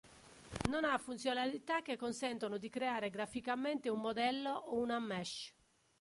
Non ha funzionalità che consentono di creare graficamente un modello o una mesh.